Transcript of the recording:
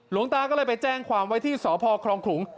หลวงตาก็เลยไปแจ้งความไว้ที่สพครองขลุง